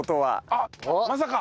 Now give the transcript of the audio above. あっまさか！